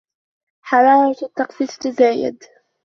حرارة الطقس تتزايد.